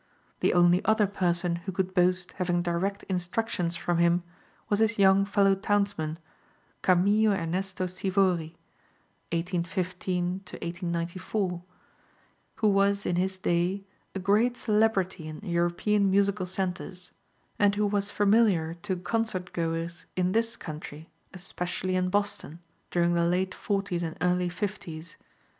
The only other person who could boast having direct instructions from him was his young fellow townsman, Camillo Ernesto Sivori (1815 1894), who was in his day a great celebrity in European musical centres, and who was familiar to concert goers in this country, especially in Boston, during the late forties and early fifties.